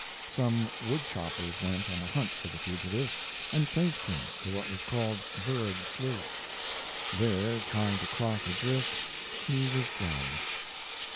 Some wood choppers went on a hunt for the fugitive, and chased him to what was called "Bird Slough." There trying to cross a drift he was drowned.